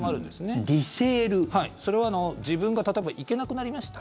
それは自分が例えば行けなくなりました。